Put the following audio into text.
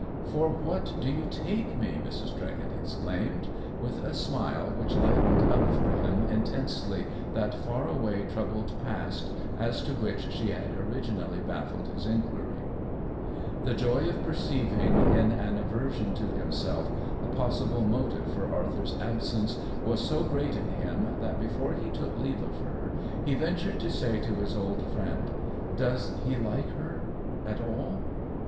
88 THE WHEEL OF TIME " For what do you take me ?" Mrs. Tre gent exclaimed, with a smile which lightened up for him intensely that far away troubled past as to which she had originally baffled his inquiry. The joy of perceiving in an aversion to himself a possible motive for Arthur's ab sence was so great in him that before he took leave of her he ventured to say to his old friend, " Does he like her at all